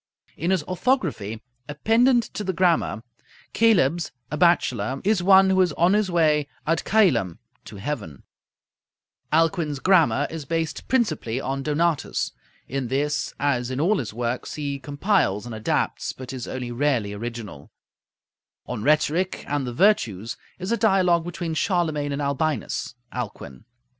In his 'Orthography,' a pendant to the 'Grammar,' coelebs, a bachelor, is "one who is on his way ad coelum" (to heaven). Alcuin's 'Grammar' is based principally on Donatus. In this, as in all his works, he compiles and adapts, but is only rarely original. 'On Rhetoric and the Virtues' is a dialogue between Charlemagne and Albinus (Alcuin).